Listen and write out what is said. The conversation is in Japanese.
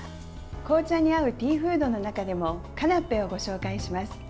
紅茶に合うティーフードの中でもカナッペをご紹介します。